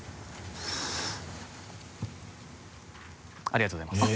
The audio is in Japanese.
ありがとうございます。